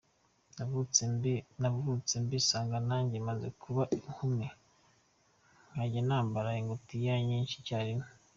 Navutse mbisanga nanjye maze kuba inkumi nkajya nambara ingutiya nyinshi icyarimwe.